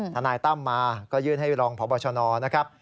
ทนายตั้มมาก็ยื่นให้รองพบชนนะครับ